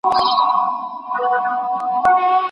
له ناوړه مجلس څخه وتل د چا دنده ده؟